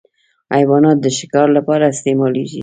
حیوانات د ښکار لپاره استعمالېږي.